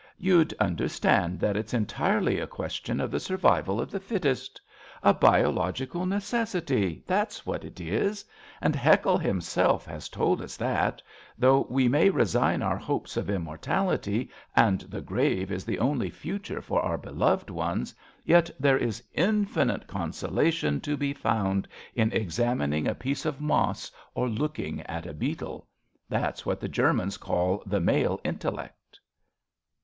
You'd understand that it's entirely a question of the survival of the fittest. A biological necessity, that's what it is. And Haeckel himself has told us that, though we may resign our hopes of immortality, and the grave is the only future for our beloved ones, yet there is infinite consolation to be 20 A BELGIAN CHRISTMAS EVE found in examining a piece of moss or looking at a beetle. That's what the Germans call the male intellect.